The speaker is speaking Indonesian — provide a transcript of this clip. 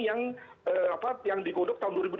yang digodok tahun dua ribu delapan belas